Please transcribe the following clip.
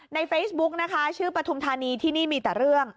ในเฟซบุ๊กนะคะชื่อปฐุมธานีที่นี่มีแต่เรื่อง